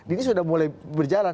ini sudah mulai berjalan